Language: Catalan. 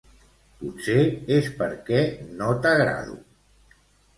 Potser és perquè no t'agrado.